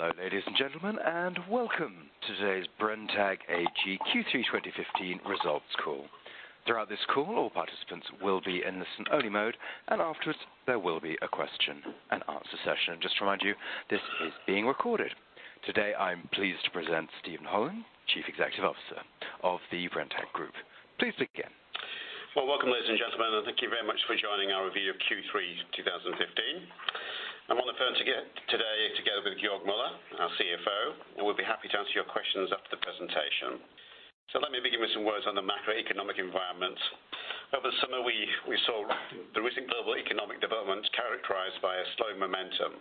Hello, ladies and gentlemen, and welcome to today's Brenntag AG Q3 2015 results call. Throughout this call, all participants will be in listen only mode, and afterwards there will be a question and answer session. Just to remind you, this is being recorded. Today I am pleased to present Steven Holland, Chief Executive Officer of the Brenntag Group. Please begin. Well, welcome, ladies and gentlemen, and thank you very much for joining our review of Q3 2015. I am on the phone today together with Georg Müller, our CFO, and we will be happy to answer your questions after the presentation. Let me begin with some words on the macroeconomic environment. Over the summer, we saw the recent global economic developments characterized by a slow momentum,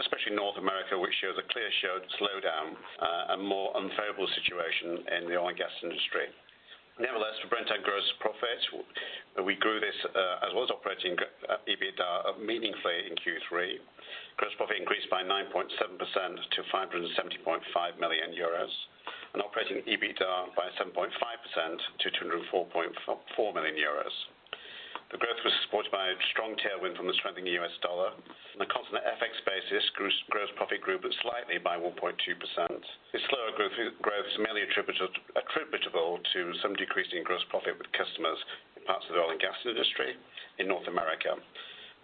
especially North America, which shows a clear slowdown, a more unfavorable situation in the oil and gas industry. Nevertheless, for Brenntag gross profit, we grew this as well as operating EBITDA meaningfully in Q3. Gross profit increased by 9.7% to 570.5 million euros and operating EBITDA by 7.5% to 204.4 million euros. The growth was supported by a strong tailwind from the strengthening U.S. dollar. On a constant FX basis, gross profit grew but slightly by 1.2%. This slower growth is mainly attributable to some decrease in gross profit with customers in parts of the oil and gas industry in North America.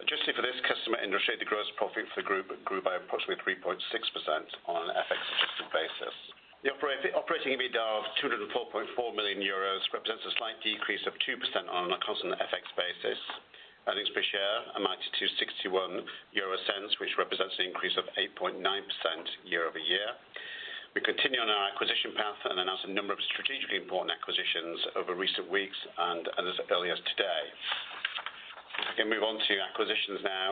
Adjusting for this customer industry, the gross profit for the group grew by approximately 3.6% on an FX adjusted basis. The operating EBITDA of EUR 204.4 million represents a slight decrease of 2% on a constant FX basis. Earnings per share amounted to 0.61, which represents an increase of 8.9% year-over-year. We continue on our acquisition path and announced a number of strategically important acquisitions over recent weeks and as early as today. I can move on to acquisitions now.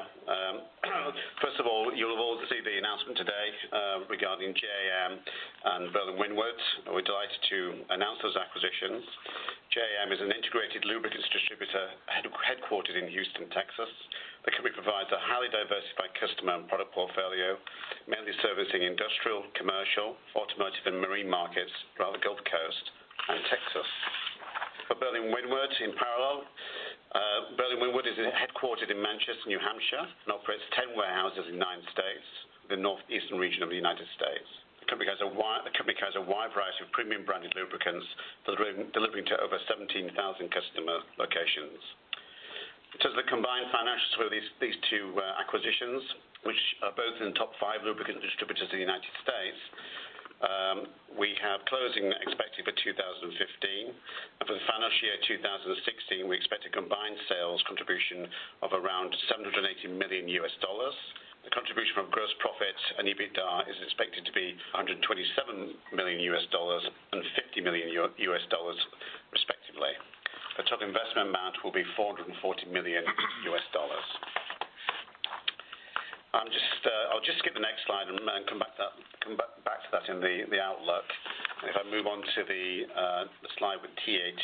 First of all, you will have all seen the announcement today regarding J.A.M. and Berlin-Windward. We are delighted to announce those acquisitions. J.A.M. is an integrated lubricants distributor headquartered in Houston, Texas. The company provides a highly diversified customer and product portfolio, mainly servicing industrial, commercial, automotive, and marine markets throughout the Gulf Coast and Texas. For Berlin-Windward in parallel, Berlin-Windward is headquartered in Manchester, New Hampshire, and operates 10 warehouses in nine states in the northeastern region of the United States. The company carries a wide variety of premium branded lubricants, delivering to over 17,000 customer locations. To the combined financials for these two acquisitions, which are both in top five lubricant distributors in the United States, we have closing expected for 2015. For the financial year 2016, we expect a combined sales contribution of around $780 million USD. The contribution from gross profit and EBITDA is expected to be $127 million USD and $50 million USD respectively. The total investment amount will be $440 million USD. I'll just skip the next slide and come back to that in the outlook. If I move on to the slide with TAT.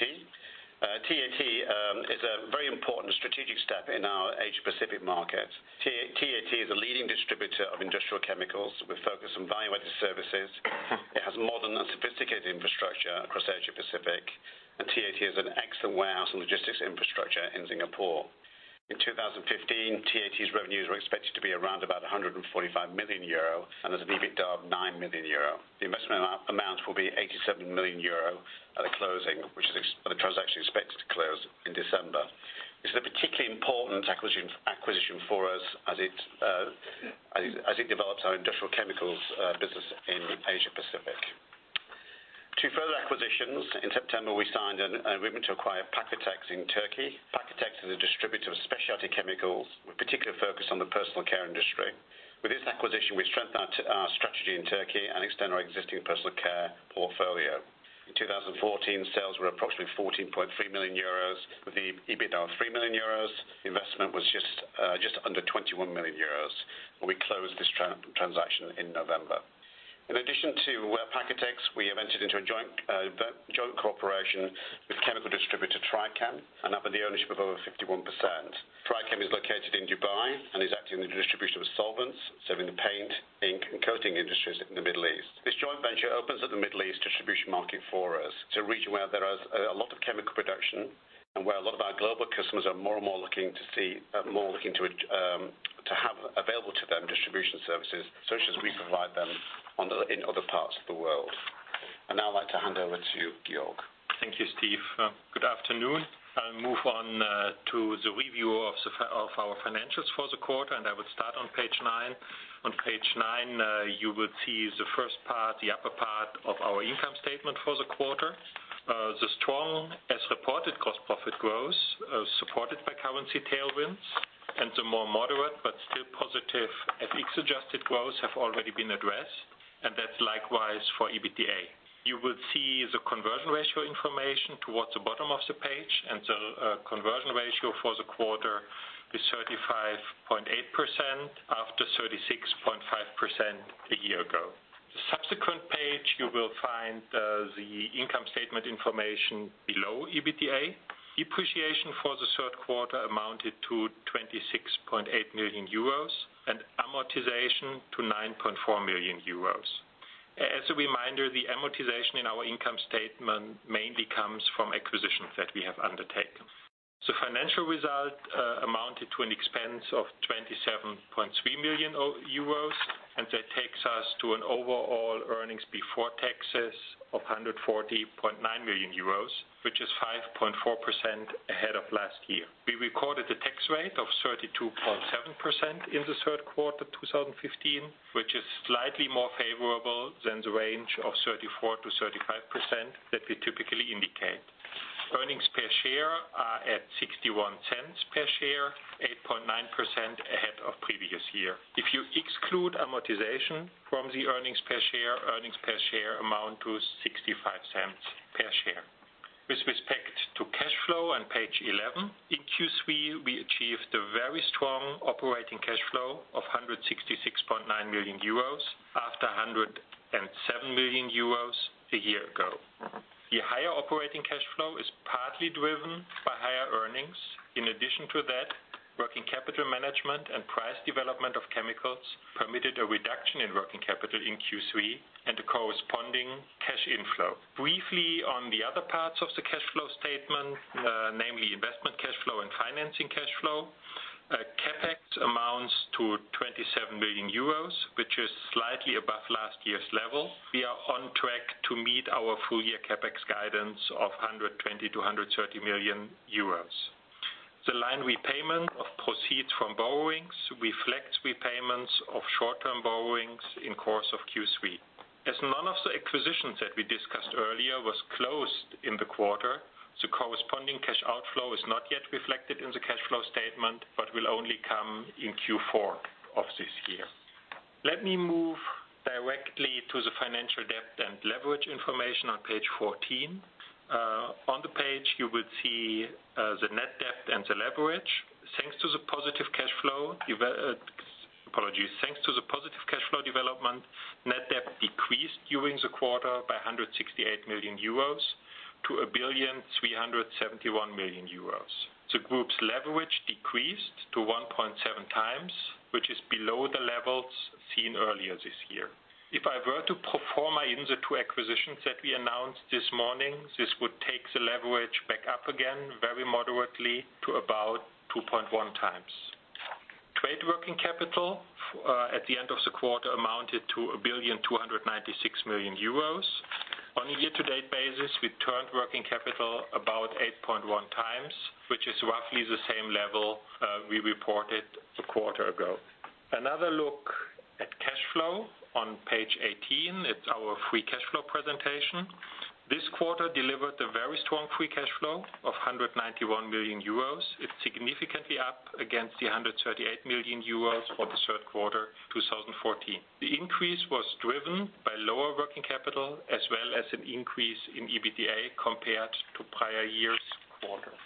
TAT is a very important strategic step in our Asia Pacific market. TAT is a leading distributor of industrial chemicals with focus on value-added services. It has modern and sophisticated infrastructure across Asia Pacific, and TAT has an excellent warehouse and logistics infrastructure in Singapore. In 2015, TAT's revenues were expected to be around about 145 million euro and has an EBITDA of 9 million euro. The investment amount will be 87 million euro at the closing, which the transaction is expected to close in December. This is a particularly important acquisition for us as it develops our industrial chemicals business in Asia Pacific. Two further acquisitions. In September, we signed an agreement to acquire Pakotek in Turkey. Pakotek is a distributor of specialty chemicals with particular focus on the personal care industry. With this acquisition, we strengthen our strategy in Turkey and extend our existing personal care portfolio. In 2014, sales were approximately 14.3 million euros with the EBITDA of 3 million euros. The investment was just under 21 million euros. We closed this transaction in November. In addition to Pakotek, we have entered into a joint cooperation with chemical distributor Trychem, and up with the ownership of over 51%. Trychem is located in Dubai and is active in the distribution of solvents, serving the paint, ink, and coating industries in the Middle East. This joint venture opens up the Middle East distribution market for us. It's a region where there is a lot of chemical production and where a lot of our global customers are more and more looking to have available to them distribution services such as we provide them in other parts of the world. I'd now like to hand over to Georg. Thank you, Steve. Good afternoon. I'll move on to the review of our financials for the quarter, and I will start on page nine. On page nine, you will see the first part, the upper part of our income statement for the quarter. The strong as reported gross profit growth, supported by currency tailwinds, and the more moderate but still positive FX adjusted growth have already been addressed, and that's likewise for EBITDA. You will see the conversion ratio information towards the bottom of the page, and the conversion ratio for the quarter is 35.8% after 36.5% a year ago. The subsequent page, you will find the income statement information below EBITDA. Depreciation for the third quarter amounted to 26.8 million euros and amortization to 9.4 million euros. As a reminder, the amortization in our income statement mainly comes from acquisitions that we have undertaken. The financial result amounted to an expense of 27.3 million euros. That takes us to an overall earnings before taxes of 140.9 million euros, which is 5.4% ahead of last year. We recorded a tax rate of 32.7% in the third quarter 2015, which is slightly more favorable than the range of 34%-35% that we typically indicate. Earnings per share are at 0.61 per share, 8.9% ahead of previous year. If you exclude amortization from the earnings per share, earnings per share amount to 0.65 per share. With respect to cash flow on page 11, in Q3, we achieved a very strong operating cash flow of 166.9 million euros after 107 million euros a year ago. The higher operating cash flow is partly driven by higher earnings. In addition to that, working capital management and price development of chemicals permitted a reduction in working capital in Q3 and a corresponding cash inflow. Briefly on the other parts of the cash flow statement, namely investment cash flow and financing cash flow. CapEx amounts to 27 million euros, which is slightly above last year's level. We are on track to meet our full-year CapEx guidance of 120 million euros to 130 million euros. The line repayment of proceeds from borrowings reflects repayments of short-term borrowings in course of Q3. As none of the acquisitions that we discussed earlier was closed in the quarter, the corresponding cash outflow is not yet reflected in the cash flow statement, but will only come in Q4 of this year. Let me move directly to the financial debt and leverage information on page 14. On the page, you will see the net debt and the leverage. Thanks to the positive cash flow development, net debt decreased during the quarter by 168 million euros to 1.371 billion. The group's leverage decreased to 1.7 times, which is below the levels seen earlier this year. If I were to perform even the two acquisitions that we announced this morning, this would take the leverage back up again, very moderately, to about 2.1 times. Trade working capital at the end of the quarter amounted to 1.296 billion. On a year-to-date basis, we turned working capital about 8.1 times, which is roughly the same level we reported a quarter ago. Another look at cash flow on page 18. It's our free cash flow presentation. This quarter delivered a very strong free cash flow of 191 million euros. It's significantly up against the 138 million euros for the third quarter 2014. The increase was driven by lower working capital as well as an increase in EBITDA compared to prior year's quarter.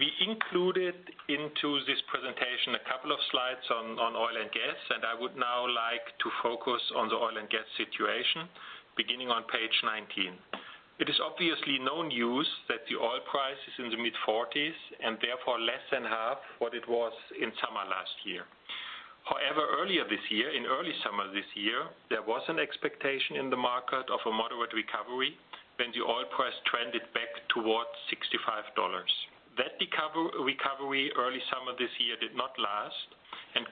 We included into this presentation a couple of slides on oil and gas. I would now like to focus on the oil and gas situation, beginning on page 19. It is obviously no news that the oil price is in the mid-40s. Therefore less than half what it was in summer last year. However, earlier this year, in early summer this year, there was an expectation in the market of a moderate recovery when the oil price trended back towards $65. That recovery early summer this year did not last.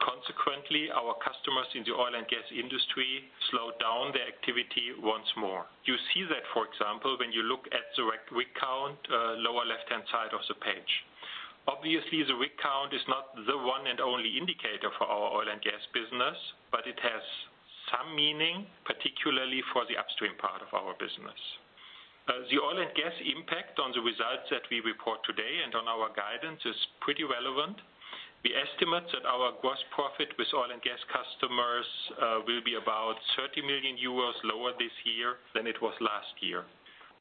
Consequently, our customers in the oil and gas industry slowed down their activity once more. You see that, for example, when you look at the rig count, lower left-hand side of the page. Obviously, the rig count is not the one and only indicator for our oil and gas business, but it has some meaning, particularly for the upstream part of our business. The oil and gas impact on the results that we report today and on our guidance is pretty relevant. We estimate that our gross profit with oil and gas customers will be about 30 million euros lower this year than it was last year.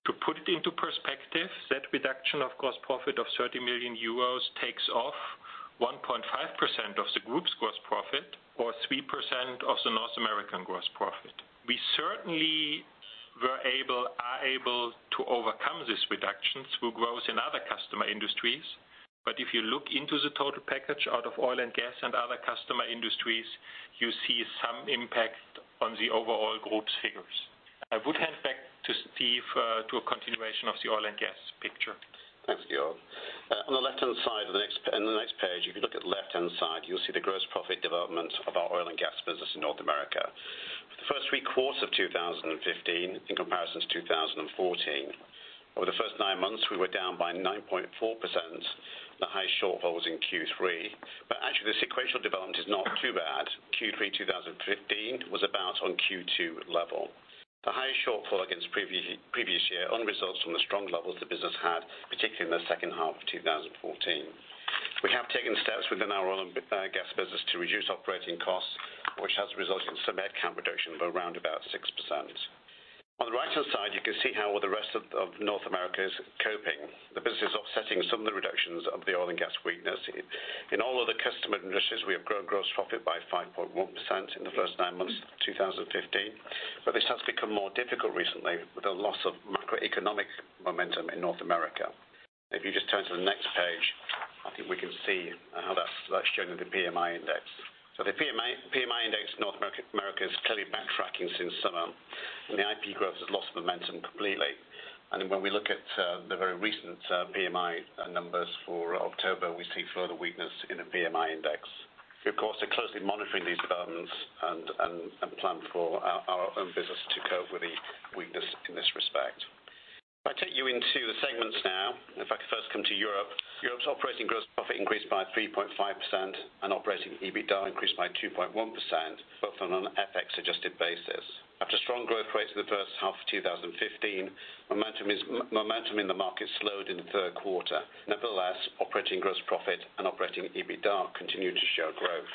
To put it into perspective, that reduction of gross profit of 30 million euros takes off 1.5% of the group's gross profit or 3% of the North American gross profit. We certainly are able to overcome this reduction through growth in other customer industries. But if you look into the total package out of oil and gas and other customer industries, you see some impact on the overall group figures. I would hand back to Steve to a continuation of the oil and gas picture. Thanks, Georg. On the next page, if you look at the left-hand side, you'll see the gross profit development of our oil and gas business in North America for the first three quarters of 2015 in comparison to 2014. Over the first nine months, we were down by 9.4%. The highest shortfall was in Q3. But actually, this sequential development is not too bad. Q3 2015 was about on Q2 level. The highest shortfall against the previous year only results from the strong levels the business had, particularly in the second half of 2014. We have taken steps within our oil and gas business to reduce operating costs, which has resulted in some headcount reduction of around about 6%. On the right-hand side, you can see how all the rest of North America is coping. The business is offsetting some of the reductions of the oil and gas weakness. In all other customer industries, we have grown gross profit by 5.1% in the first nine months of 2015, but this has become more difficult recently with a loss of macroeconomic momentum in North America. If you just turn to the next page, I think we can see. That's shown in the PMI index. The PMI index in North America is clearly backtracking since summer, and the IP growth has lost momentum completely. When we look at the very recent PMI numbers for October, we see further weakness in the PMI index. We, of course, are closely monitoring these developments and plan for our own business to cope with the weakness in this respect. If I take you into the segments now, if I could first come to Europe. Europe's operating gross profit increased by 3.5% and operating EBITDA increased by 2.1%, both on an FX-adjusted basis. After strong growth rates in the first half of 2015, momentum in the market slowed in the third quarter. Nevertheless, operating gross profit and operating EBITDA continued to show growth.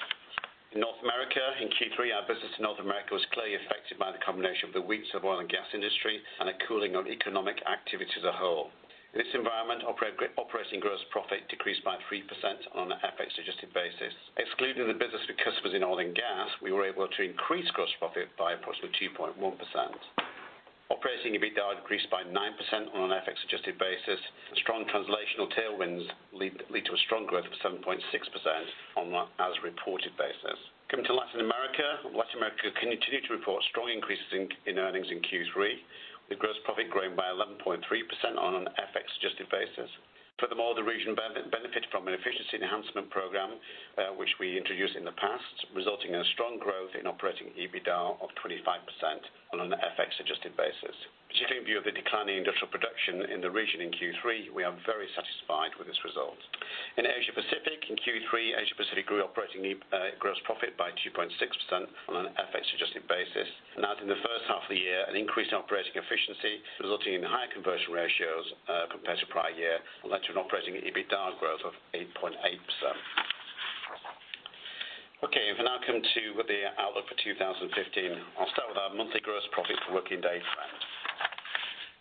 In North America, in Q3, our business in North America was clearly affected by the combination of the weakness of oil and gas industry and a cooling of economic activity as a whole. In this environment, operating gross profit decreased by 3% on an FX-adjusted basis. Excluding the business with customers in oil and gas, we were able to increase gross profit by approximately 2.1%. Operating EBITDA increased by 9% on an FX-adjusted basis. Strong translational tailwinds lead to a strong growth of 7.6% on as reported basis. Coming to Latin America, Latin America continued to report strong increases in earnings in Q3, with gross profit growing by 11.3% on an FX-adjusted basis. The region benefited from an efficiency enhancement program, which we introduced in the past, resulting in a strong growth in operating EBITDA of 25% on an FX-adjusted basis. Particularly in view of the declining industrial production in the region in Q3, we are very satisfied with this result. In Asia Pacific, in Q3, Asia Pacific grew operating gross profit by 2.6% on an FX-adjusted basis. In the first half of the year, an increase in operating efficiency resulting in higher conversion ratios, compared to prior year, led to an operating EBITDA growth of 8.8%. If I now come to the outlook for 2015, I'll start with our monthly gross profit per working day trend.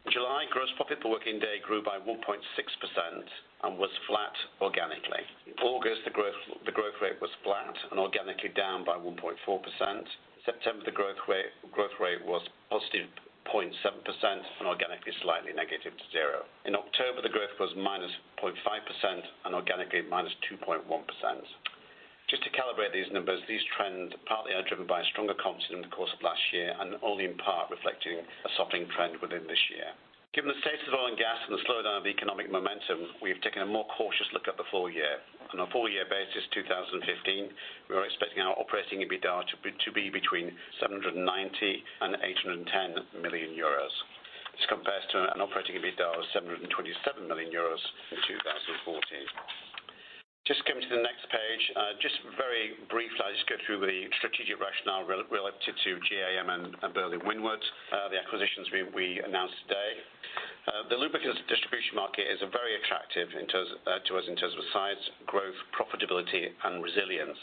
In July, gross profit per working day grew by 1.6% and was flat organically. In August, the growth rate was flat and organically down by 1.4%. The growth rate was positive, 0.7% and organically slightly negative to zero. In October, the growth was minus 0.5% and organically minus 2.1%. To calibrate these numbers, these trends partly are driven by stronger comps in the course of last year, and only in part reflecting a softening trend within this year. Given the state of oil and gas and the slowdown of economic momentum, we've taken a more cautious look at the full year. On a full-year basis 2015, we are expecting our operating EBITDA to be between 790 million and 810 million euros. This compares to an operating EBITDA of 727 million euros in 2014. Coming to the next page. Very briefly, I'll go through the strategic rationale relative to J.A.M. and Berlin-Windward, the acquisitions we announced today. The lubricants distribution market is very attractive to us in terms of size, growth, profitability, and resilience.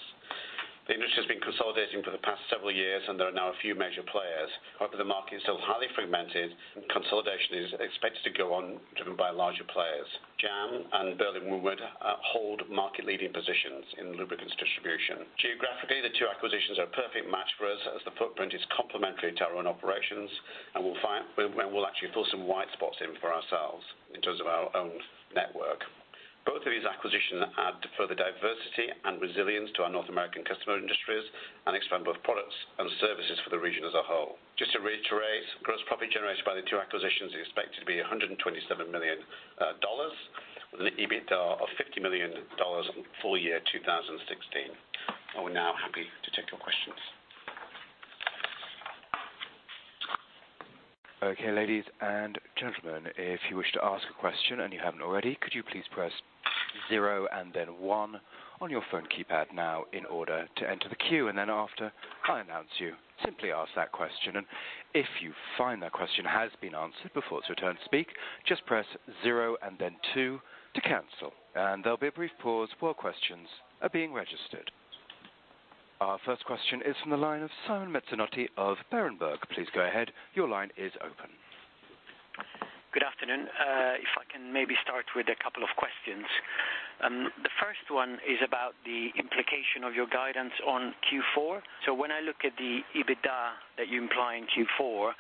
The industry has been consolidating for the past several years, and there are now a few major players. However, the market is still highly fragmented. Consolidation is expected to go on driven by larger players. J.A.M. and Berlin-Windward hold market-leading positions in lubricants distribution. Geographically, the two acquisitions are a perfect match for us as the footprint is complementary to our own operations, and we'll actually fill some white spots in for ourselves in terms of our own network. Both of these acquisitions add further diversity and resilience to our North American customer industries and expand both products and services for the region as a whole. To reiterate, gross profit generated by the two acquisitions is expected to be $127 million, with an EBITDA of $50 million on full year 2016. I will now happy to take your questions. Okay, ladies and gentlemen, if you wish to ask a question and you haven't already, could you please press zero and then one on your phone keypad now in order to enter the queue? After I announce you, simply ask that question. If you find that question has been answered before it's your turn to speak, just press zero and then two to cancel. There will be a brief pause while questions are being registered. Our first question is from the line of Sebastian Bray of Berenberg. Please go ahead. Your line is open. Good afternoon. If I can maybe start with a couple of questions. The first one is about the implication of your guidance on Q4. When I look at the EBITDA that you imply in Q4,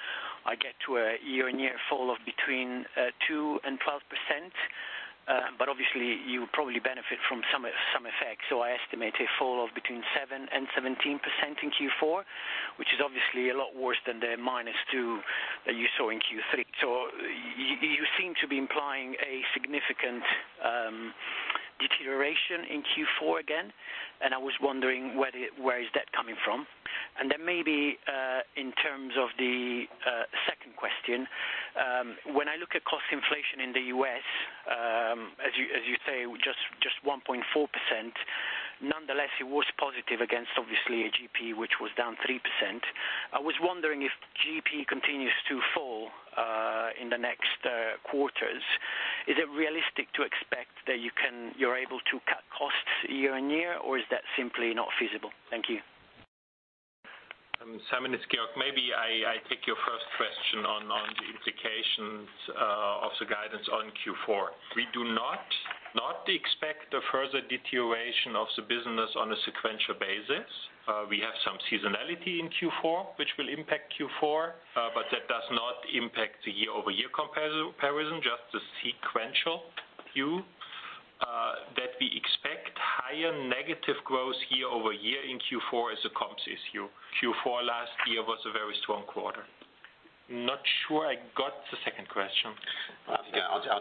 I get to a year-on-year fall of between 2% and 12%. Obviously you probably benefit from some effects. I estimate a fall of between 7% and 17% in Q4, which is obviously a lot worse than the -2% that you saw in Q3. You seem to be implying a significant deterioration in Q4 again, and I was wondering where is that coming from? Maybe, in terms of the second question. When I look at cost inflation in the U.S., as you say, just 1.4%. Nonetheless, it was positive against obviously a GP which was down 3%. I was wondering if GP continues to fall in the next quarters. Is it realistic to expect that you're able to cut costs year-on-year, or is that simply not feasible? Thank you. Simon, it's Georg. Maybe I take your first question on the implications of the guidance on Q4. We do not expect a further deterioration of the business on a sequential basis. We have some seasonality in Q4, which will impact Q4, but that does not impact the year-over-year comparison, just the sequential view that we expect higher negative growth year-over-year in Q4 as a comps issue. Q4 last year was a very strong quarter. Not sure I got the second question. Yeah. I hope I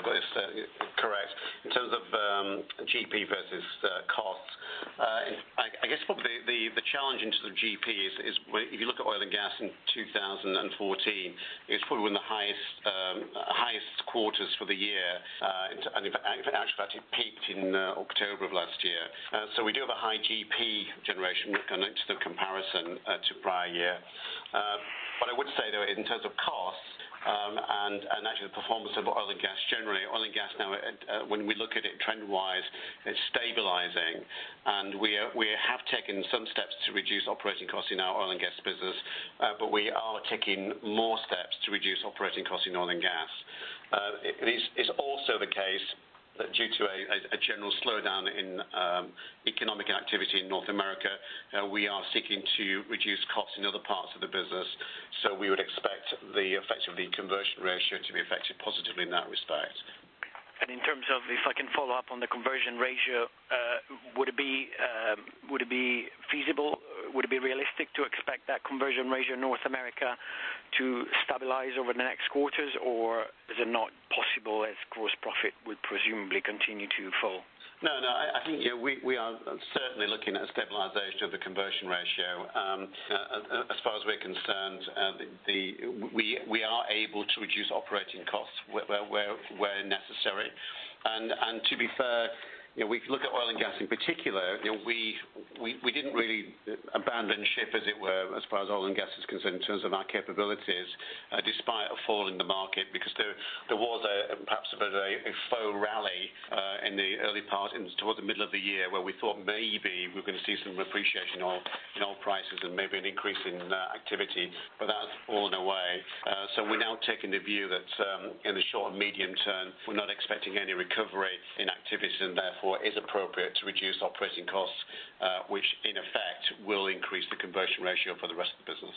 got this correct. In terms of GP versus costs, I guess probably the challenge in terms of GP is if you look at oil and gas in 2014, it's probably one of the highest quarters for the year. In fact, it peaked in October of last year. We do have a high GP generation going into the comparison to prior year. I would say, though, in terms of costs and actually the performance of oil and gas, generally, oil and gas now, when we look at it trend-wise, it's stabilizing. We have taken some steps to reduce operating costs in our oil and gas business, but we are taking more steps to reduce operating costs in oil and gas. It is also the case that due to a general slowdown in economic activity in North America, we are seeking to reduce costs in other parts of the business. We would expect the effect of the conversion ratio to be affected positively in that respect. In terms of, if I can follow up on the conversion ratio, would it be feasible, would it be realistic to expect that conversion ratio in North America to stabilize over the next quarters? Is it not possible as gross profit would presumably continue to fall? No, I think we are certainly looking at a stabilization of the conversion ratio. As far as we're concerned, we are able to reduce operating costs where necessary. To be fair, we look at oil and gas in particular, we didn't really abandon ship, as it were, as far as oil and gas is concerned in terms of our capabilities, despite a fall in the market, because there was perhaps a bit of a faux rally in the early part and towards the middle of the year where we thought maybe we were going to see some appreciation in oil prices and maybe an increase in activity. That's fallen away. We're now taking the view that in the short and medium term, we're not expecting any recovery in activity, and therefore it is appropriate to reduce operating costs, which in effect will increase the conversion ratio for the rest of the business.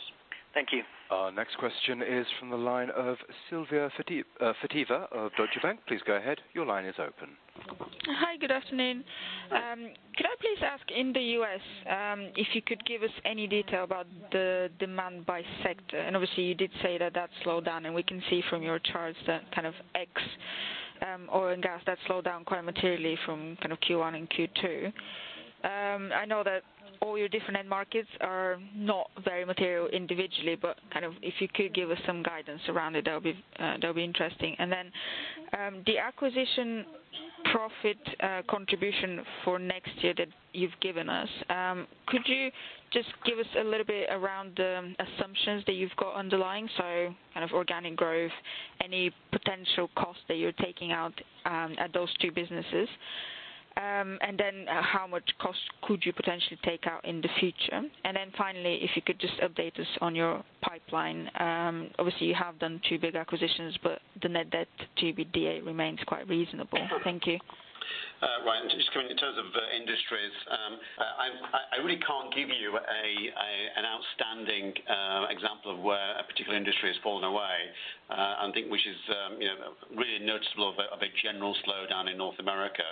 Thank you. Our next question is from the line of Suhasini Varanasi of Deutsche Bank. Please go ahead. Your line is open. Hi. Good afternoon. Could I please ask in the U.S., if you could give us any detail about the demand by sector? Obviously, you did say that that slowed down, and we can see from your charts that kind of ex oil and gas, that slowed down quite materially from kind of Q1 and Q2. I know that all your different end markets are not very material individually, if you could give us some guidance around it, that would be interesting. The acquisition profit contribution for next year that you've given us. Could you just give us a little bit around the assumptions that you've got underlying, kind of organic growth, any potential cost that you're taking out at those 2 businesses? How much cost could you potentially take out in the future? Finally, if you could just update us on your pipeline. Obviously, you have done 2 big acquisitions, but the net debt EBITDA remains quite reasonable. Thank you. Right. Just in terms of industries, I really can't give you an outstanding example of where a particular industry has fallen away. I think, which is really noticeable of a general slowdown in North America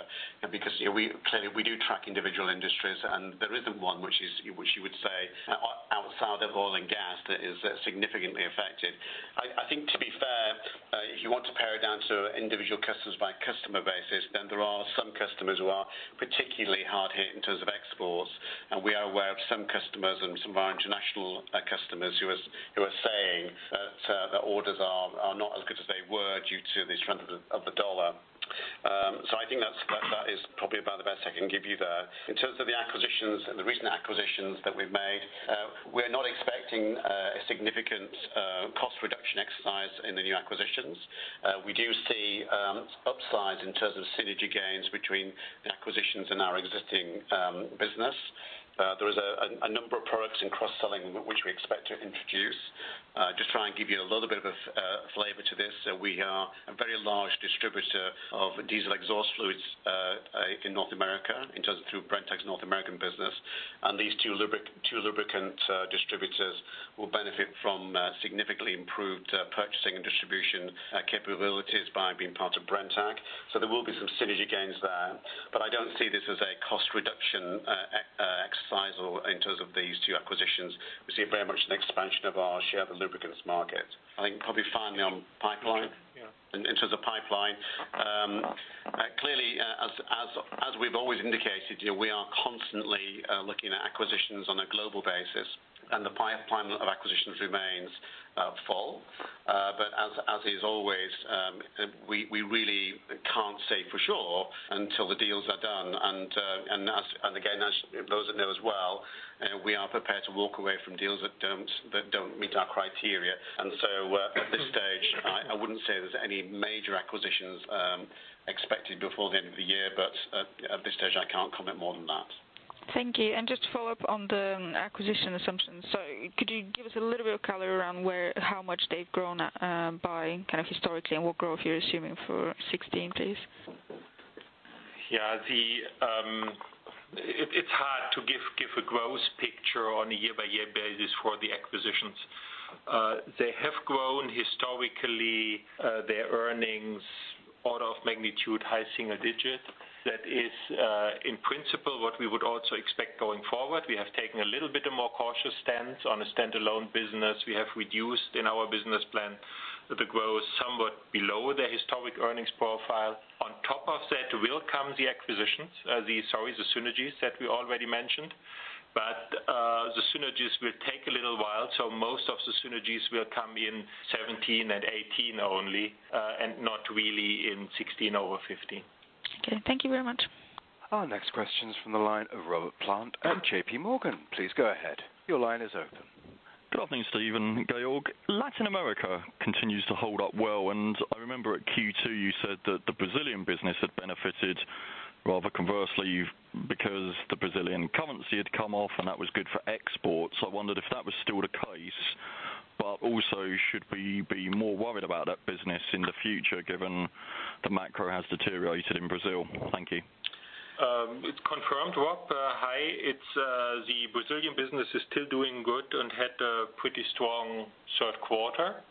because clearly, we do track individual industries, and there isn't one which you would say outside of oil and gas that is significantly affected. I think to be fair, if you want to pare it down to individual customers by customer basis, there are some customers who are particularly hard hit in terms of exports, and we are aware of some customers and some of our international customers who are saying that their orders are not as good as they were due to the strength of the dollar. I think that is probably about the best I can give you there. In terms of the acquisitions and the recent acquisitions that we've made, we're not expecting a significant cost reduction exercise in the new acquisitions. We do see upsides in terms of synergy gains between the acquisitions and our existing business. There is a number of products in cross-selling which we expect to introduce. Just try and give you a little bit of flavor to this. We are a very large distributor of Diesel Exhaust Fluid in North America in terms of through Brenntag's North American business. These 2 lubricant distributors will benefit from significantly improved purchasing and distribution capabilities by being part of Brenntag. There will be some synergy gains there, but I don't see this as a cost reduction exercise in terms of these 2 acquisitions. We see it very much an expansion of our share of the lubricants market. I think probably finally on pipeline. In terms of pipeline, clearly, as we've always indicated, we are constantly looking at acquisitions on a global basis, the pipeline of acquisitions remains full. As is always, we really can't say for sure until the deals are done. Again, those that know us well, we are prepared to walk away from deals that don't meet our criteria. At this stage, I wouldn't say there's any major acquisitions expected before the end of the year, but at this stage, I can't comment more than that. Thank you. Just to follow up on the acquisition assumptions. Could you give us a little bit of color around how much they've grown by kind of historically and what growth you're assuming for 2016, please? Yeah. It's hard to give a gross picture on a year-by-year basis for the acquisitions. They have grown historically their earnings order of magnitude high single-digit. That is in principle what we would also expect going forward. We have taken a little bit of more cautious stance on a standalone business. We have reduced in our business plan the growth somewhat below the historic earnings profile. On top of that will come the synergies that we already mentioned. The synergies will take a little while, so most of the synergies will come in 2017 and 2018 only, and not really in 2016 over 2015. Okay. Thank you very much. Our next question is from the line of Robert Plant at JPMorgan. Please go ahead. Your line is open. Good afternoon, Steve and Georg. Latin America continues to hold up well. I remember at Q2 you said that the Brazilian business had benefited rather conversely because the Brazilian currency had come off and that was good for exports. I wondered if that was still the case. Also should we be more worried about that business in the future given the macro has deteriorated in Brazil? Thank you. It's confirmed, Rob. Hi. The Brazilian business is still doing good and had a pretty strong third quarter.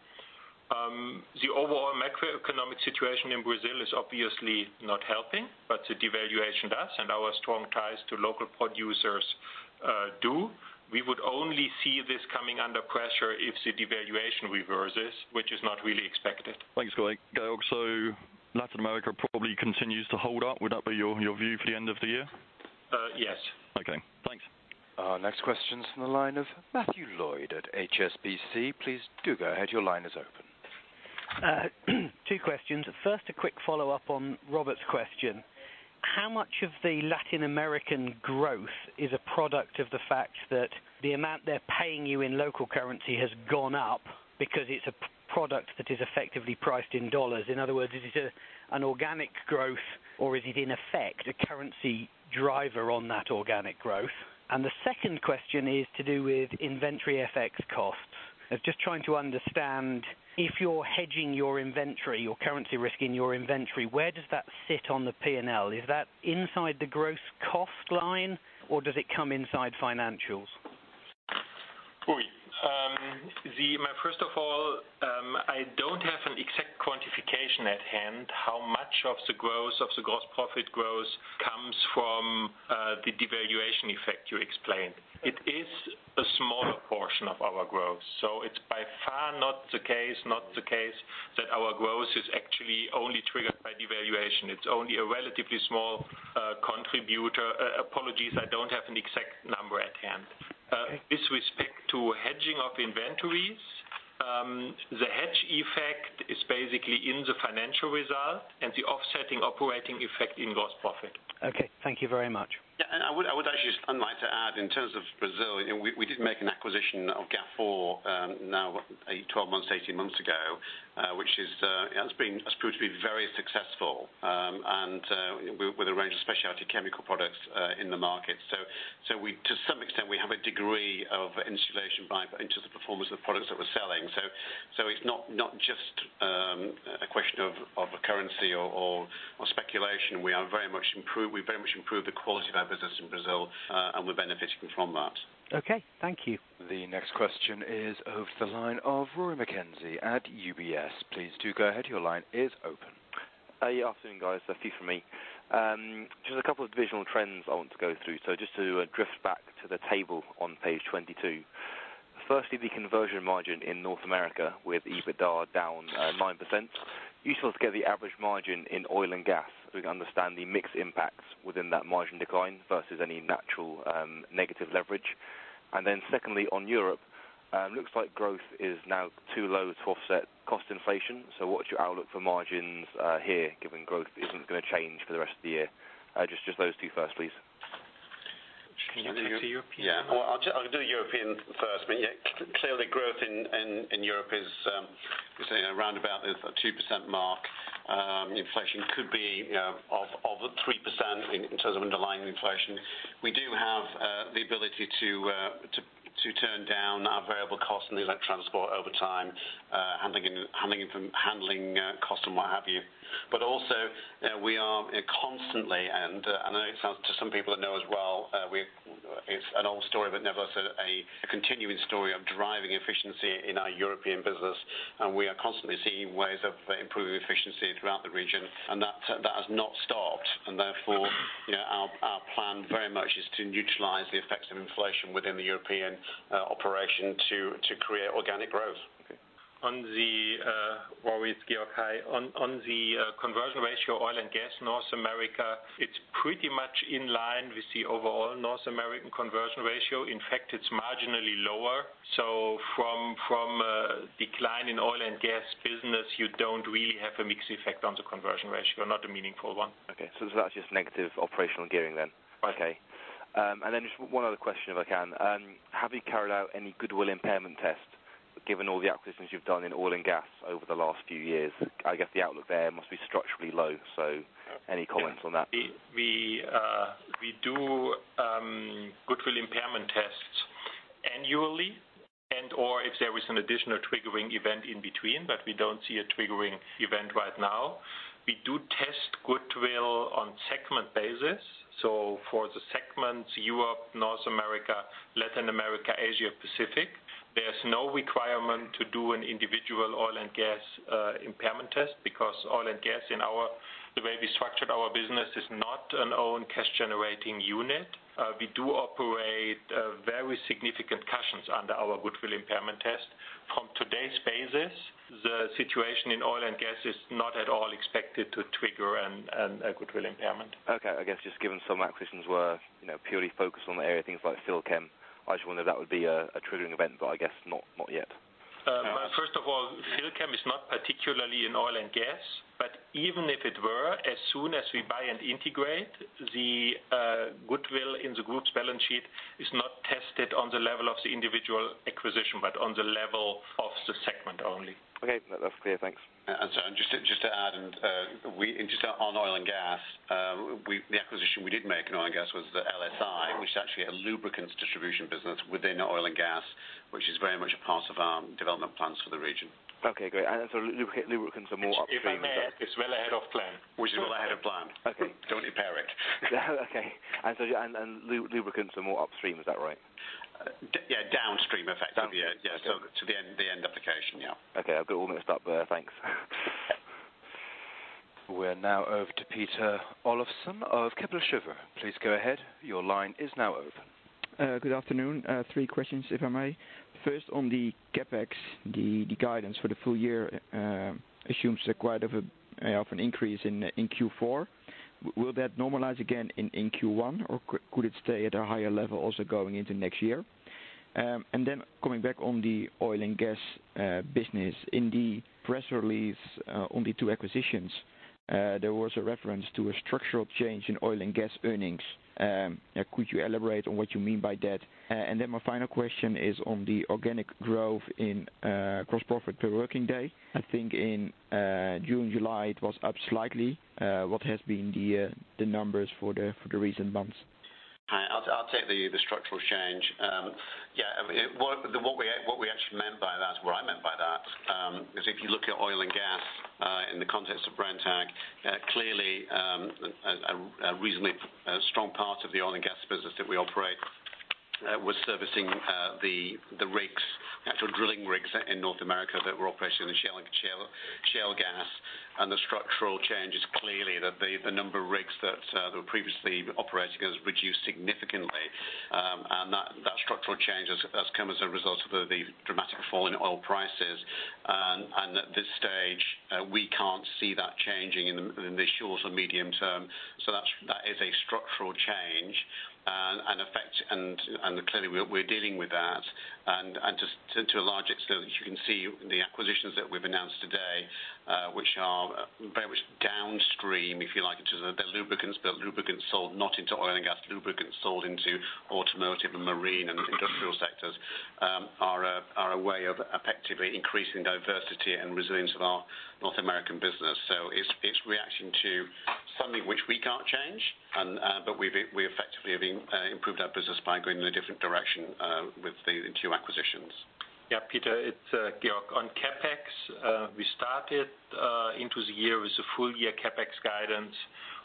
The overall macroeconomic situation in Brazil is obviously not helping, but the devaluation does, and our strong ties to local producers do. We would only see this coming under pressure if the devaluation reverses, which is not really expected. Thanks, Georg. Latin America probably continues to hold up. Would that be your view for the end of the year? Yes. Okay. Thanks. Our next question's from the line of Matthew Lloyd at HSBC. Please do go ahead. Your line is open. Two questions. First, a quick follow-up on Robert's question. How much of the Latin American growth is a product of the fact that the amount they're paying you in local currency has gone up because it's a product that is effectively priced in dollars? In other words, is it an organic growth or is it in effect a currency driver on that organic growth? The second question is to do with inventory FX costs. I was just trying to understand if you're hedging your inventory, your currency risk in your inventory, where does that sit on the P&L? Is that inside the gross cost line or does it come inside financials? First of all, I don't have an exact quantification at hand how much of the gross profit growth comes from the devaluation effect you explained. It is a smaller portion of our growth, so it's by far not the case that our growth is actually only triggered by devaluation. It's only a relatively small contributor. Apologies, I don't have an exact number at hand. Okay. With respect to hedging of inventories, the hedge effect is basically in the financial result and the offsetting operating effect in gross profit. Okay. Thank you very much. Yeah, I would actually just like to add in terms of Brazil, we did make an acquisition of Gafor now 12 months to 18 months ago, which has proved to be very successful, and with a range of specialty chemical products in the market. To some extent, we have a degree of insulation into the performance of the products that we're selling. It's not just a question of a currency or speculation. We very much improved the quality of our business in Brazil, and we're benefiting from that. Okay. Thank you. The next question is over the line of Rory McKenzie at UBS. Please do go ahead. Your line is open. Yeah, afternoon, guys. A few from me. Just a couple of divisional trends I want to go through. Just to drift back to the table on page 22. Firstly, the conversion margin in North America with EBITDA down 9%. Are you still to get the average margin in oil and gas so we can understand the mix impacts within that margin decline versus any natural negative leverage? Secondly, on Europe, looks like growth is now too low to offset cost inflation. What's your outlook for margins here, given growth isn't going to change for the rest of the year? Just those two first, please. Can you take the European? Yeah. Well, I'll do European first, but yeah, clearly growth in Europe is roundabout the 2% mark. Inflation could be of 3% in terms of underlying inflation. We do have the ability to turn down our variable cost in the transport over time, handling cost and what have you. Also, we are constantly, and I know it sounds to some people I know as well, it's an old story, but nevertheless, a continuing story of driving efficiency in our European business, and we are constantly seeing ways of improving efficiency throughout the region, and that has not stopped. Therefore, our plan very much is to neutralize the effects of inflation within the European operation to create organic growth. Rory, it's Georg. On the conversion ratio, oil and gas, North America, it's pretty much in line with the overall North American conversion ratio. In fact, it's marginally lower. From a decline in oil and gas business, you don't really have a mix effect on the conversion ratio, not a meaningful one. That's just negative operational gearing then. Right. Just one other question if I can. Have you carried out any goodwill impairment test, given all the acquisitions you've done in oil and gas over the last few years? I guess the outlook there must be structurally low. Any comments on that? We do goodwill impairment annually, and/or if there is an additional triggering event in between, we don't see a triggering event right now. We do test goodwill on segment basis. For the segments Europe, North America, Latin America, Asia Pacific, there's no requirement to do an individual oil and gas impairment test because oil and gas, the way we structured our business, is not an own cash-generating unit. We do operate very significant cushions under our goodwill impairment test. From today's basis, the situation in oil and gas is not at all expected to trigger a goodwill impairment. Okay. I guess just given some acquisitions were purely focused on the area, things like Philchem, I just wondered if that would be a triggering event, I guess not yet. First of all, Philchem is not particularly in oil and gas, even if it were, as soon as we buy and integrate, the goodwill in the group's balance sheet is not tested on the level of the individual acquisition, on the level of the segment only. Okay. That's clear. Thanks. Just to add on oil and gas. The acquisition we did make in oil and gas was the LSI, which is actually a lubricants distribution business within oil and gas, which is very much a part of our development plans for the region. Okay, great. Lubricants are more upstream. It is well ahead of plan. Which is well ahead of plan. Okay. Do not impair it. Okay. lubricants are more upstream, is that right? Yeah. Downstream, effectively. Downstream. Yeah. to the end application, yeah. Okay. I got all mixed up there. Thanks. We're now over to Peter Olofsen of Kepler Cheuvreux. Please go ahead. Your line is now open. Good afternoon. Three questions, if I may. First, on the CapEx, the guidance for the full year assumes quite of an increase in Q4. Will that normalize again in Q1, or could it stay at a higher level also going into next year? Coming back on the oil and gas business. In the press release on the two acquisitions, there was a reference to a structural change in oil and gas earnings. Could you elaborate on what you mean by that? My final question is on the organic growth in gross profit per working day. I think in June, July, it was up slightly. What has been the numbers for the recent months? I'll take the structural change. What we actually meant by that, or what I meant by that, is if you look at oil and gas in the context of Brenntag, clearly a reasonably strong part of the oil and gas business that we operate was servicing the rigs, actual drilling rigs in North America that were operating in the shale gas. The structural change is clearly that the number of rigs that were previously operating has reduced significantly. That structural change has come as a result of the dramatic fall in oil prices. At this stage, we can't see that changing in the short or medium term. That is a structural change, and clearly, we're dealing with that. To a large extent, as you can see, the acquisitions that we've announced today, which are very much downstream, if you like, to the lubricants, but lubricants sold not into oil and gas. Lubricants sold into automotive and marine and industrial sectors are a way of effectively increasing diversity and resilience of our North American business. It's reaction to something which we can't change, but we effectively have improved our business by going in a different direction with the two acquisitions. Peter, it's Georg. On CapEx, we started into the year with the full year CapEx guidance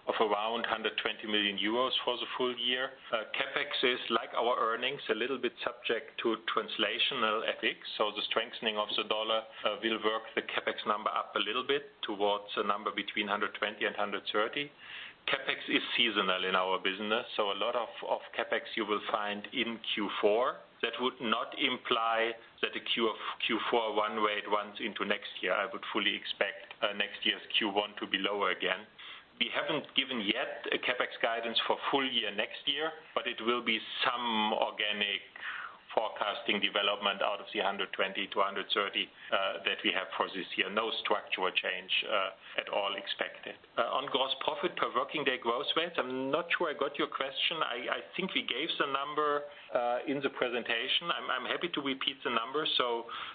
of around 120 million euros for the full year. CapEx is, like our earnings, a little bit subject to translational FX. The strengthening of the dollar will work the CapEx number up a little bit towards a number between 120 and 130. CapEx is seasonal in our business, a lot of CapEx you will find in Q4. That would not imply that the Q4 run rate runs into next year. I would fully expect next year's Q1 to be lower again. We haven't given yet a CapEx guidance for full year next year, it will be some organic forecasting development out of the 120 to 130 that we have for this year. No structural change at all expected. On gross profit per working day growth rates, I'm not sure I got your question. I think we gave the number in the presentation. I'm happy to repeat the numbers.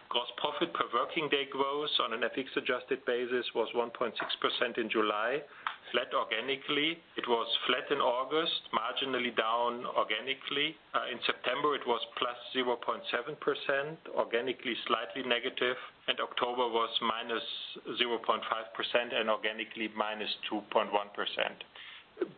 Gross profit per working day growth on an FX-adjusted basis was 1.6% in July. Flat organically. It was flat in August, marginally down organically. In September, it was +0.7%, organically slightly negative, October was -0.5% and organically -2.1%.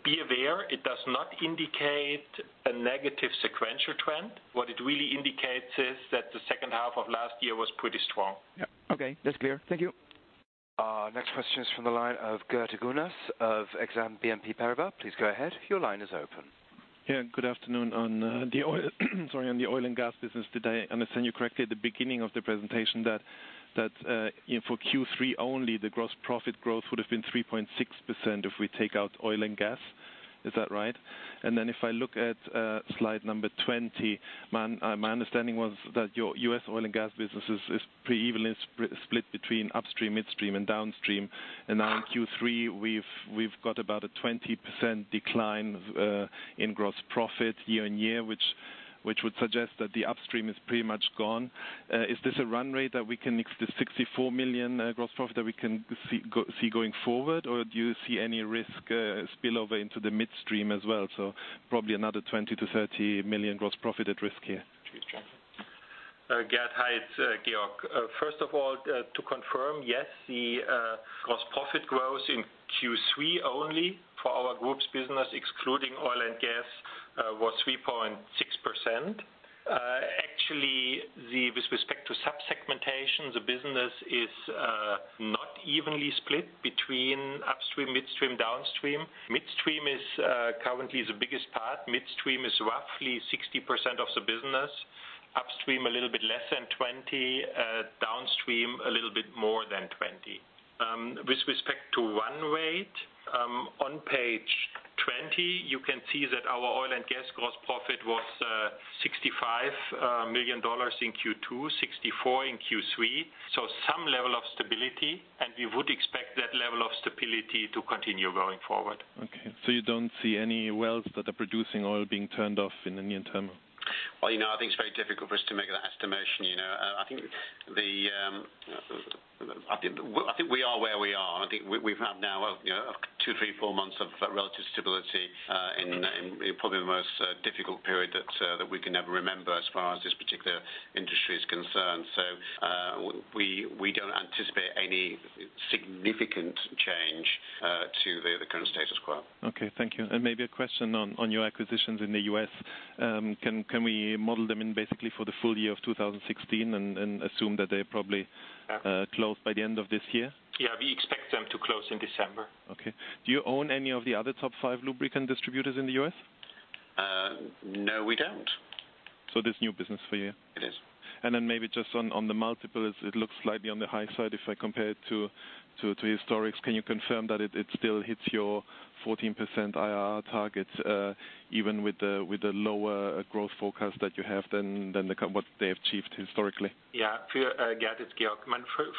Be aware, it does not indicate a negative sequential trend. What it really indicates is that the second half of last year was pretty strong. Okay. That's clear. Thank you. Next question is from the line of Geert Van-Gansewinkel of Exane BNP Paribas. Please go ahead. Your line is open. Good afternoon. On the oil and gas business today, I understand you correctly at the beginning of the presentation that for Q3 only, the gross profit growth would have been 3.6% if we take out oil and gas. Is that right? If I look at slide number 20, my understanding was that your U.S. oil and gas business is pretty evenly split between upstream, midstream, and downstream. In Q3, we've got about a 20% decline in gross profit year-on-year, which would suggest that the upstream is pretty much gone. Is this a run rate that we can mix the $64 million gross profit that we can see going forward? Do you see any risk spill over into the midstream as well? Probably another $20 million-$30 million gross profit at risk here. Geert, hi, it's Georg. First of all, to confirm, yes, the gross profit growth in Q3 only for our group's business, excluding oil and gas, was 3.6%. Actually, with respect to sub-segmentation, the business is not evenly split between upstream, midstream, downstream. Midstream is currently the biggest part. Midstream is roughly 60% of the business. Upstream, a little bit less than 20. Downstream, a little bit more than 20. With respect to run rate, on page 20, you can see that our oil and gas gross profit was $65 million in Q2, $64 million in Q3. Some level of stability, and we would expect that level of stability to continue going forward. You don't see any wells that are producing oil being turned off in the near term? Well, I think it's very difficult for us to make that estimation. I think we are where we are. I think we've had now two, three, four months of relative stability in probably the most difficult period that we can ever remember as far as this particular industry is concerned. We don't anticipate any significant change to the current status quo. Okay, thank you. Maybe a question on your acquisitions in the U.S. Can we model them in basically for the full year of 2016 and assume that they probably close by the end of this year? Yeah, we expect them to close in December. Okay. Do you own any of the other top five lubricant distributors in the U.S.? No, we don't. This is new business for you? It is. Maybe just on the multiples, it looks slightly on the high side if I compare it to historics. Can you confirm that it still hits your 14% IRR targets, even with the lower growth forecast that you have than what they achieved historically? Gerd, it's Georg.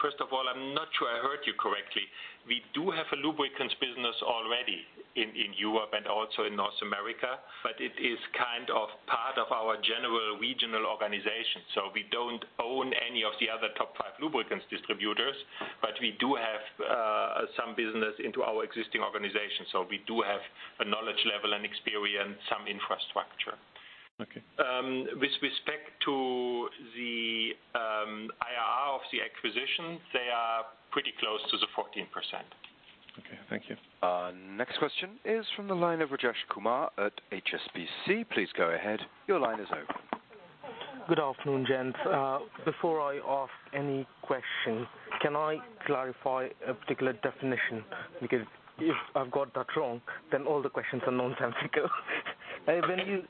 First of all, I'm not sure I heard you correctly. We do have a lubricants business already in Europe and also in North America, but it is part of our general regional organization. We don't own any of the other top five lubricants distributors, but we do have some business into our existing organization. We do have a knowledge level and experience, some infrastructure. Okay. With respect to the IRR of the acquisition, they are pretty close to the 14%. Okay, thank you. Next question is from the line of Rajesh Kumar at HSBC. Please go ahead. Your line is open. Good afternoon, gents. Before I ask any question, can I clarify a particular definition? If I've got that wrong, then all the questions are nonsensical. Go ahead. When you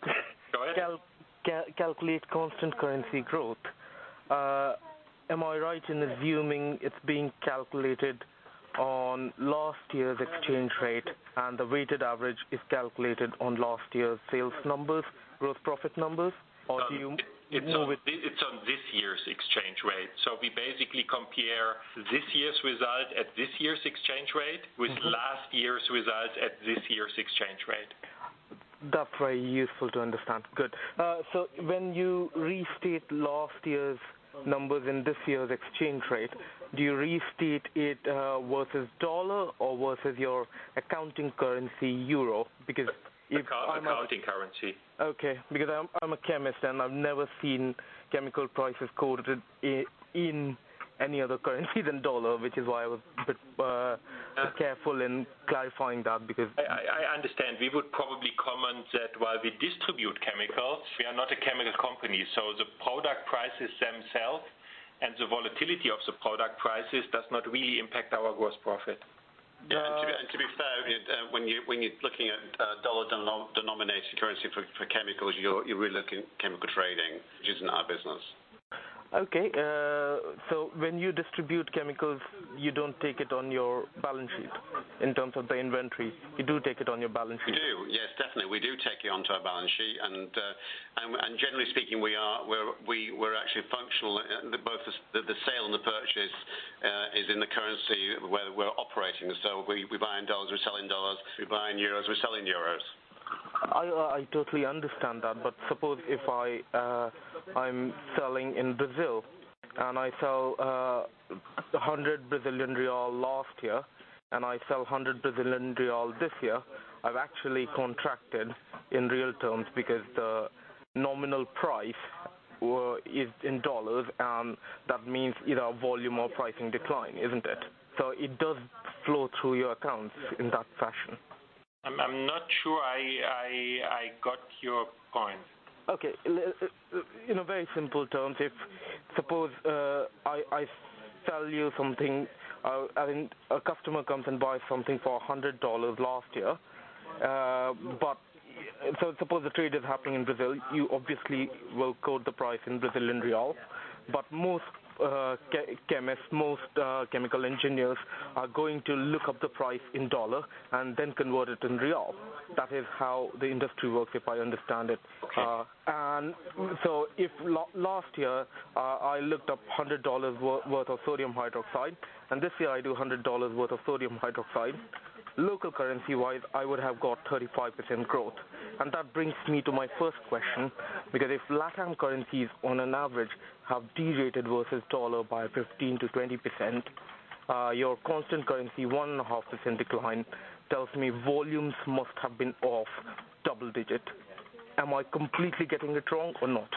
calculate constant currency growth, am I right in assuming it's being calculated on last year's exchange rate, and the weighted average is calculated on last year's sales numbers, gross profit numbers? Or do you? It's on this year's exchange rate. We basically compare this year's result at this year's exchange rate with last year's result at this year's exchange rate. That's very useful to understand. Good. When you restate last year's numbers in this year's exchange rate, do you restate it versus $ or versus your accounting currency EUR? Because if I'm a Accounting currency. Okay, I'm a chemist, and I've never seen chemical prices quoted in any other currency than dollar, which is why I was a bit careful in clarifying that. I understand. We would probably comment that while we distribute chemicals, we are not a chemical company. The product prices themselves and the volatility of the product prices does not really impact our gross profit. Yeah. To be fair, when you're looking at dollar-denominated currency for chemicals, you're really looking chemical trading, which isn't our business. Okay. When you distribute chemicals, you don't take it on your balance sheet in terms of the inventory. You do take it on your balance sheet? We do. Yes, definitely. We do take it onto our balance sheet, and generally speaking, we're actually functional. Both the sale and the purchase is in the currency where we're operating. We buy in U.S. dollars, we sell in U.S. dollars. We buy in euros, we sell in euros. I totally understand that. Suppose if I'm selling in Brazil and I sell 100 Brazilian real last year and I sell 100 Brazilian real this year, I've actually contracted in real terms because the nominal price is in U.S. dollars, and that means either a volume or pricing decline, isn't it? It does flow through your accounts in that fashion. I'm not sure I got your point. Okay. In very simple terms, if suppose I sell you something, a customer comes and buys something for $100 last year. Suppose the trade is happening in Brazil, you obviously will quote the price in Brazilian real. But most chemists, most chemical engineers are going to look up the price in dollar and then convert it in real. That is how the industry works, if I understand it. Okay. If last year, I looked up $100 worth of sodium hydroxide, and this year I do $100 worth of sodium hydroxide, local currency-wise, I would have got 35% growth. That brings me to my first question, because if LatAm currencies on an average have derated versus dollar by 15%-20%. Your constant currency, 1.5% decline tells me volumes must have been off double digit. Am I completely getting it wrong or not?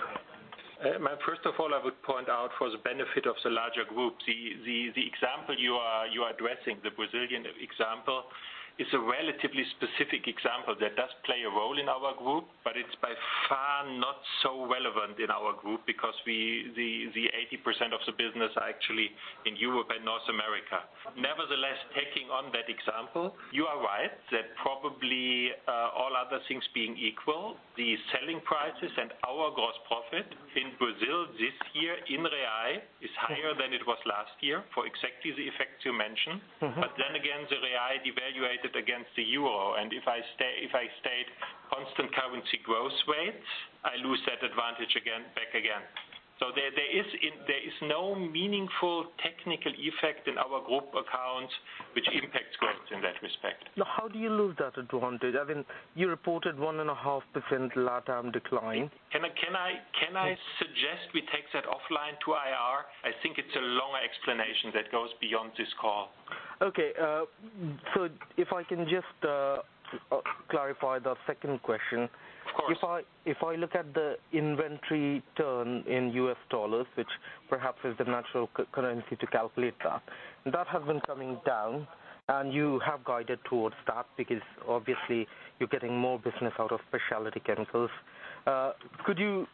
First of all, I would point out for the benefit of the larger group, the example you are addressing, the Brazilian example, is a relatively specific example that does play a role in our group, but it's by far not so relevant in our group because the 80% of the business are actually in Europe and North America. Nevertheless, taking on that example, you are right, that probably all other things being equal, the selling prices and our gross profit in Brazil this year in real is higher than it was last year for exactly the effects you mentioned. Again, the real devaluated against the euro. If I state constant currency growth rates, I lose that advantage back again. There is no meaningful technical effect in our group accounts which impacts growth in that respect. How do you lose that at 100? I mean, you reported 1.5% decline. Can I suggest we take that offline to IR? I think it's a long explanation that goes beyond this call. Okay. If I can just clarify the second question. Of course. If I look at the inventory turn in US dollars, which perhaps is the natural currency to calculate that has been coming down and you have guided towards that because obviously you're getting more business out of specialty chemicals. Could you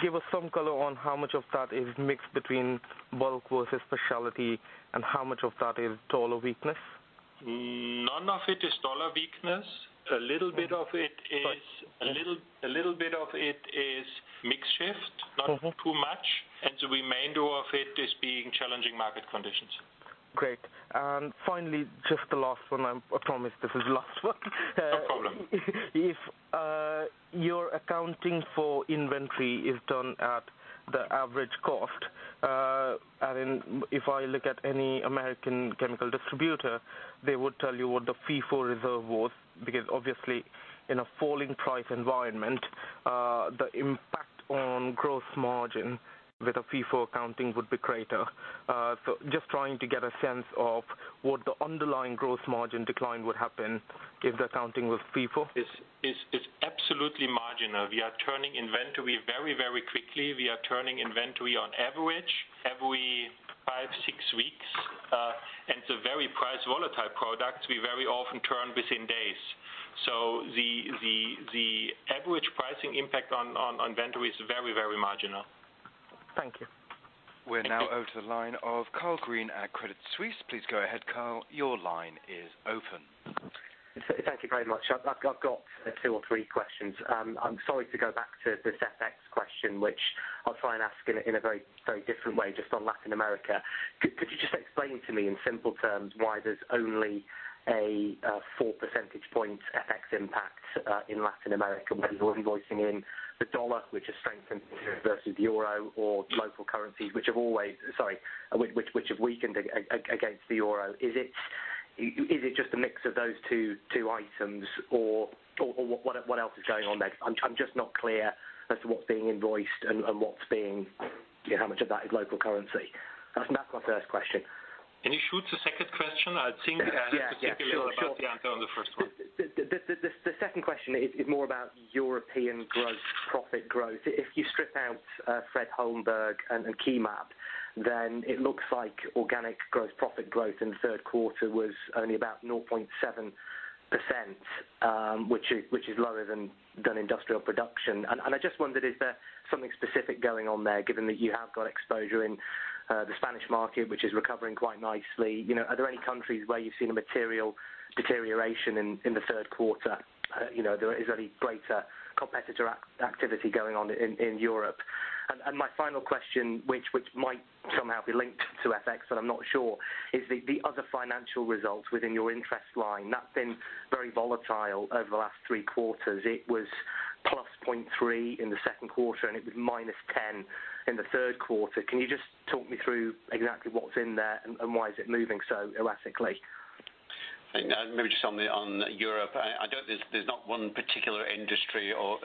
give us some color on how much of that is mixed between bulk versus specialty, and how much of that is dollar weakness? None of it is dollar weakness. A little bit of it is- Right a little bit of it is mix shift. Not too much. The remainder of it is being challenging market conditions. Great. Finally, just the last one. I promise this is the last one. No problem. If your accounting for inventory is done at the average cost, I mean, if I look at any American chemical distributor, they would tell you what the FIFO reserve was, because obviously in a falling price environment, the impact on gross margin with a FIFO accounting would be greater. Just trying to get a sense of would the underlying gross margin decline would happen if the accounting was FIFO. It's absolutely marginal. We are turning inventory very quickly. We are turning inventory on average every five, six weeks. It's a very price volatile product. We very often turn within days. The average pricing impact on inventory is very marginal. Thank you. We're now over to the line of Carl Raynsford at Credit Suisse. Please go ahead, Carl. Your line is open. Thank you very much. I've got two or three questions. I'm sorry to go back to this FX question, which I'll try and ask in a very different way, just on Latin America. Could you just explain to me in simple terms why there's only a four percentage points FX impact in Latin America when you're invoicing in the dollar, which has strengthened versus the euro or local currencies, which have weakened against the euro? Is it just a mix of those two items or what else is going on there? I'm just not clear as to what's being invoiced and how much of that is local currency. That's my first question. Can you shoot the second question? Yeah. Sure about the answer on the first one. The second question is more about European growth, profit growth. If you strip out Fred. Holmberg and Kemah, then it looks like organic growth profit growth in the third quarter was only about 0.7%, which is lower than industrial production. I just wondered, is there something specific going on there, given that you have got exposure in the Spanish market, which is recovering quite nicely? Are there any countries where you've seen a material deterioration in the third quarter? Is there any greater competitor activity going on in Europe? My final question, which might somehow be linked to FX, but I'm not sure, is the other financial results within your interest line. That's been very volatile over the last three quarters. It was +0.3 in the second quarter, and it was -10 in the third quarter. Can you just talk me through exactly what's in there and why is it moving so erratically? Maybe just on Europe. There's not one particular industry or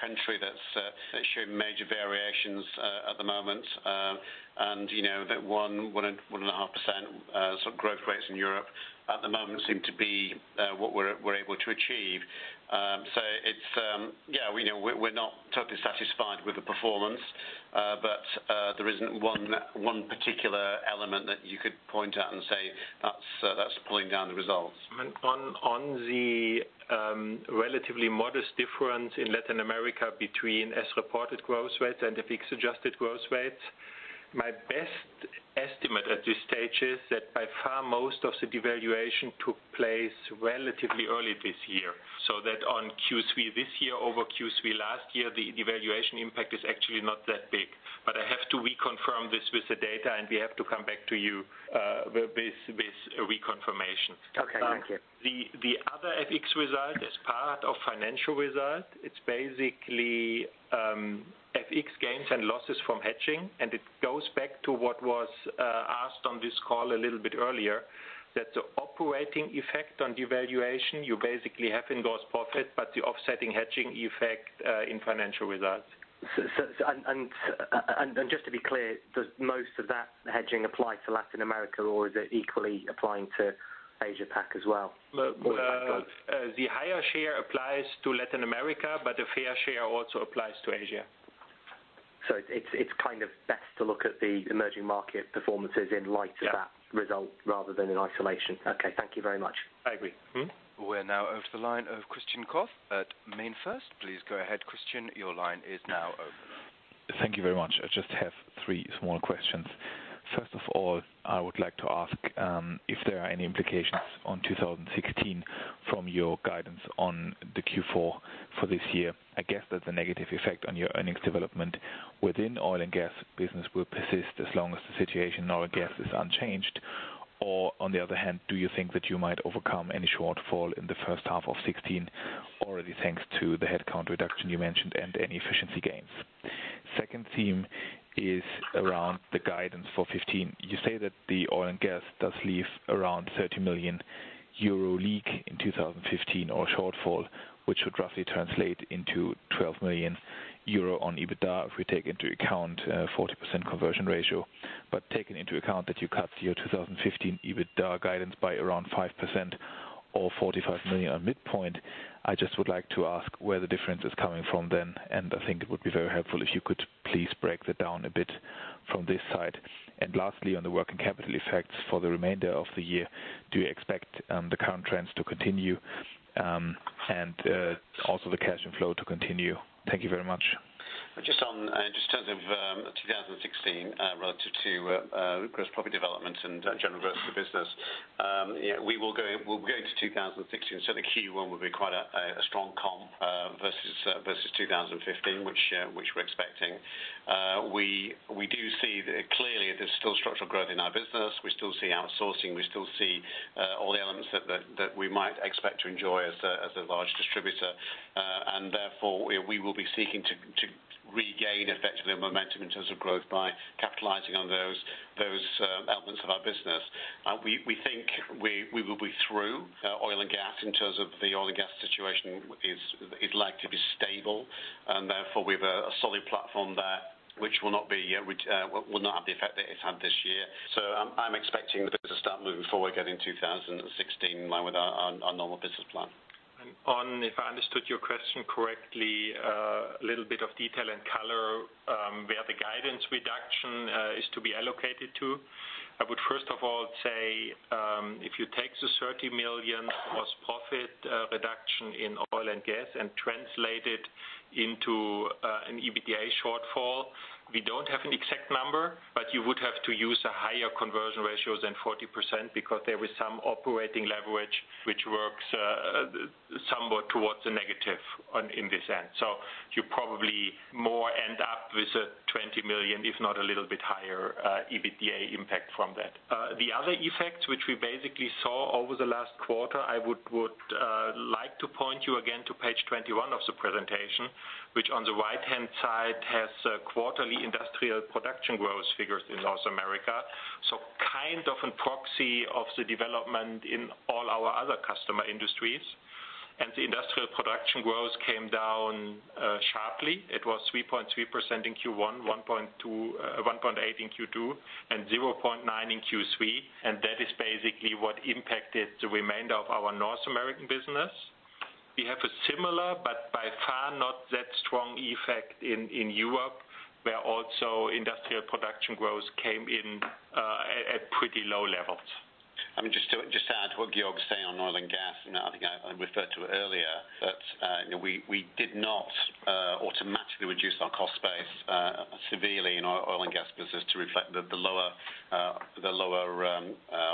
country that's showing major variations at the moment. That 1.5% sort of growth rates in Europe at the moment seem to be what we're able to achieve. We're not totally satisfied with the performance, but there isn't one particular element that you could point at and say, "That's pulling down the results. On the relatively modest difference in Latin America between as reported growth rates and the FX adjusted growth rates, my best estimate at this stage is that by far, most of the devaluation took place relatively early this year, so that on Q3 this year, over Q3 last year, the devaluation impact is actually not that big. I have to reconfirm this with the data and we have to come back to you with reconfirmation. Okay. Thank you. The other FX result is part of financial result. It's basically FX gains and losses from hedging, and it goes back to what was asked on this call a little bit earlier. That's the operating effect on devaluation, you basically have in gross profit, but the offsetting hedging effect in financial results. Just to be clear, does most of that hedging apply to Latin America, or is it equally applying to Asia Pac as well? The higher share applies to Latin America, but a fair share also applies to Asia. It's kind of best to look at the emerging market performances in light of that result rather than in isolation. Okay, thank you very much. I agree. Mm-hmm. We're now over to the line of Christian Faitz at MainFirst. Please go ahead, Christian, your line is now open. Thank you very much. I just have three small questions. First of all, I would like to ask if there are any implications on 2016 from your guidance on the Q4 for this year. I guess that the negative effect on your earnings development within oil and gas business will persist as long as the situation in oil and gas is unchanged. On the other hand, do you think that you might overcome any shortfall in the first half of 2016 already thanks to the headcount reduction you mentioned and any efficiency gains? Second theme is around the guidance for 2015. You say that the oil and gas does leave around 30 million euro leak in 2015 or shortfall, which should roughly translate into 12 million euro on EBITDA, if we take into account 40% conversion ratio. Taking into account that you cut your 2015 EBITDA guidance by around 5% or 45 million on midpoint, I just would like to ask where the difference is coming from then, and I think it would be very helpful if you could please break that down a bit from this side. Lastly, on the working capital effects for the remainder of the year, do you expect the current trends to continue, and also the cash flow to continue? Thank you very much. Just in terms of 2016 relative to gross profit development and general growth of the business. We will go into 2016, so the Q1 will be quite a strong comp, versus 2015, which we're expecting. We do see that clearly there's still structural growth in our business. We still see outsourcing. We still see all the elements that we might expect to enjoy as a large distributor. Therefore, we will be seeking to regain effectively our momentum in terms of growth by capitalizing on those elements of our business. We think we will be through oil and gas in terms of the oil and gas situation is likely to be stable, and therefore, we've a solid platform there, which will not have the effect that it's had this year. I'm expecting the business to start moving forward again in 2016 with our normal business plan. If I understood your question correctly, a little bit of detail and color, where the guidance reduction is to be allocated to. I would first of all say, if you take the 30 million gross profit reduction in oil and gas and translate it into an EBITDA shortfall, we don't have an exact number, but you would have to use a higher conversion ratio than 40% because there is some operating leverage which works somewhat towards the negative in this end. You probably more end up with a 20 million, if not a little bit higher, EBITDA impact from that. The other effects, which we basically saw over the last quarter, I would like to point you again to page 21 of the presentation, which on the right-hand side has quarterly industrial production growth figures in North America. Kind of a proxy of the development in all our other customer industries. The industrial production growth came down sharply. It was 3.3% in Q1, 1.8% in Q2, and 0.9% in Q3, and that is basically what impacted the remainder of our North American business. We have a similar, but by far not that strong effect in Europe, where also industrial production growth came in at pretty low levels. Just to add to what Georg is saying on oil and gas, I think I referred to it earlier, that we did not automatically reduce our cost base severely in our oil and gas business to reflect the lower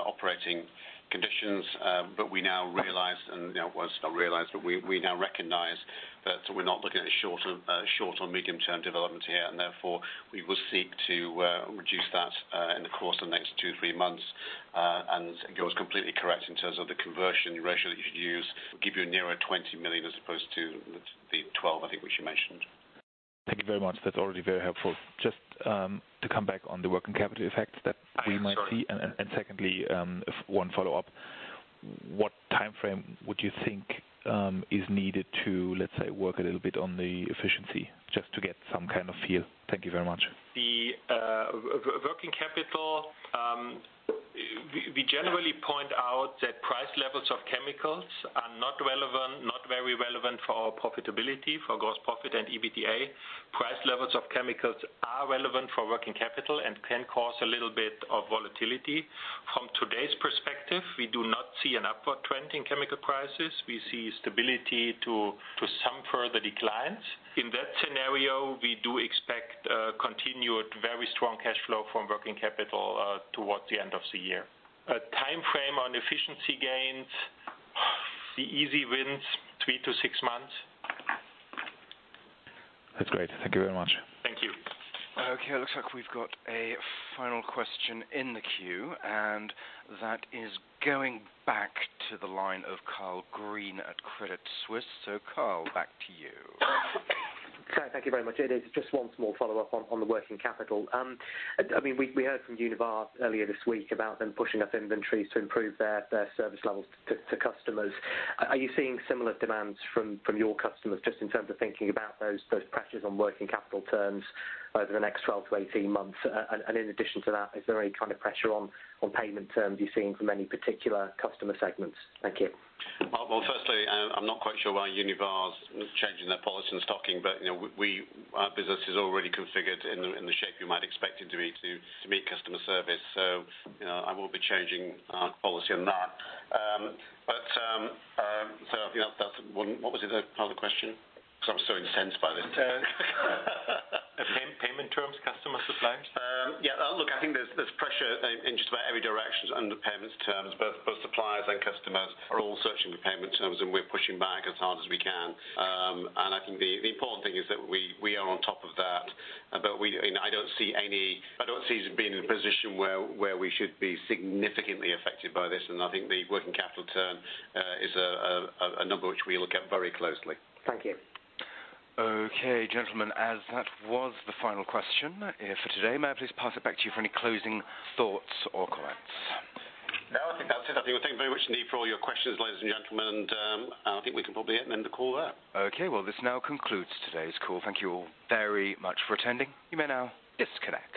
operating conditions. We now realize, well not realize, but we now recognize that we're not looking at a short- or medium-term development here, and therefore, we will seek to reduce that in the course of the next two, three months. Georg's completely correct in terms of the conversion ratio that you should use. Give you a nearer 20 million as opposed to the 12, I think, which you mentioned. Thank you very much. That's already very helpful. Just to come back on the working capital effects that we might see, and secondly, one follow-up. What time frame would you think is needed to, let's say, work a little bit on the efficiency, just to get some kind of feel? Thank you very much. The working capital, we generally point out that price levels of chemicals are not very relevant for our profitability, for gross profit and EBITDA. Price levels of chemicals are relevant for working capital and can cause a little bit of volatility. From today's perspective, we do not see an upward trend in chemical prices. We see stability to some further declines. In that scenario, we do expect a continued, very strong cash flow from working capital towards the end of the year. A time frame on efficiency gains, the easy wins, three to six months. That's great. Thank you very much. Thank you. Okay, looks like we've got a final question in the queue, that is going back to the line of Carl Raynsford at Credit Suisse. Carl, back to you. Thank you very much. It is just one small follow-up on the working capital. We heard from Univar earlier this week about them pushing up inventories to improve their service levels to customers. Are you seeing similar demands from your customers just in terms of thinking about those pressures on working capital terms over the next 12 to 18 months? In addition to that, is there any kind of pressure on payment terms you're seeing from any particular customer segments? Thank you. Well, firstly, I'm not quite sure why Univar's changing their policy on stocking, but our business is already configured in the shape you might expect it to be to meet customer service, so I won't be changing our policy on that. What was the other part of the question? I'm so incensed by this. Payment terms, customer suppliers. Yeah. Look, I think there's pressure in just about every direction under payments terms. Both suppliers and customers are all searching for payment terms, and we're pushing back as hard as we can. I think the important thing is that we are on top of that, but I don't see us being in a position where we should be significantly affected by this, and I think the working capital term is a number which we look at very closely. Thank you. Okay, gentlemen, as that was the final question for today, may I please pass it back to you for any closing thoughts or comments? No, I think that's it. I think thank you very much indeed for all your questions, ladies and gentlemen. I think we can probably end the call there. Okay. Well, this now concludes today's call. Thank you all very much for attending. You may now disconnect.